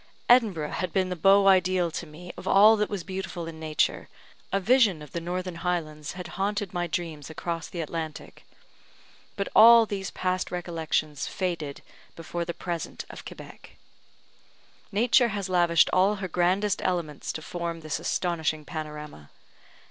Edinburgh had been the beau ideal to me of all that was beautiful in Nature a vision of the northern Highlands had haunted my dreams across the Atlantic; but all these past recollections faded before the present of Quebec. Nature has lavished all her grandest elements to form this astonishing panorama.